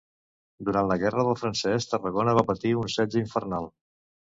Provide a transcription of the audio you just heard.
Durant la Guerra del Francès, Tarragona va patir un setge infernal.